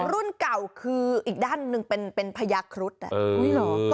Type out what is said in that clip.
รุ่นเก่าคืออีกด้านหนึ่งเป็นพญาครุฑ